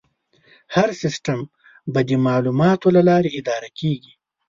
هر سیستم به د معلوماتو له لارې اداره کېږي.